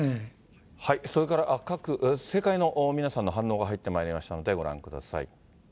それから、政界の皆さんの反応が入ってまいりましたので、ご覧ください。